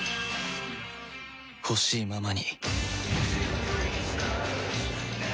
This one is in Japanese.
ほしいままに